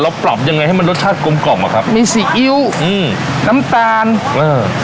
ปรับยังไงให้มันรสชาติกลมกล่อมอะครับมีซีอิ๊วอืมน้ำตาลเออ